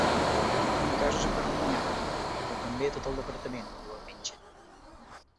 Tenim casos a Perpinyà, però també a tot el departament, diu el metge.